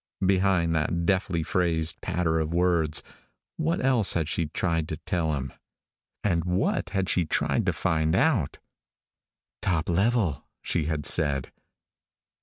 Behind that deftly phrased patter of words, what else had she tried to tell him? And what had she tried to find out? "Top level," she had said.